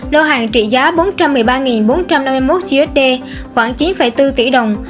lô hàng trị giá bốn trăm một mươi ba bốn trăm năm mươi một chiếc khoảng chín bốn tỷ đồng